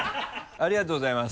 ありがとうございます。